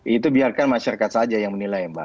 itu biarkan masyarakat saja yang menilai mbak